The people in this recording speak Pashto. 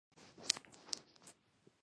دا تولیدونکي کسبګر او بزګران وو.